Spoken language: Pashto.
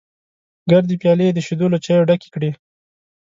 ګردې پيالې یې د شیدو له چایو ډکې کړې.